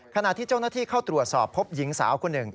ขณะที่เจ้าหน้าที่เข้าตรวจสอบพบหญิงสาวคนหนึ่ง